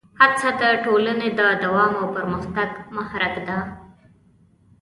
هڅه د ټولنې د دوام او پرمختګ محرک ده.